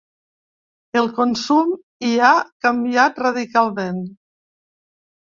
El consum hi ha canviat radicalment.